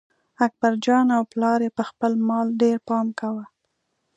اکبرجان او پلار یې په خپل مال ډېر پام کاوه.